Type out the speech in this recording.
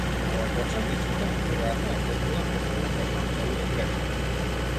Но кога почнав да читам, веројатно од возбуда, повторно почнав многу да грешам.